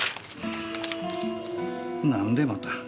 何でまた？